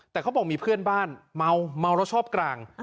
แต่เขาบอกมีเพื่อนบ้านเมาแล้วชอบกลาง